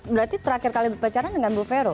berarti terakhir kali berbicara dengan bu vero